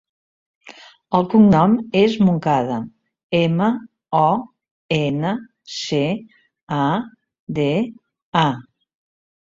El cognom és Moncada: ema, o, ena, ce, a, de, a.